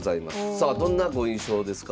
さあどんなご印象ですか？